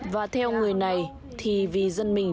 và theo người này thì vì dân mình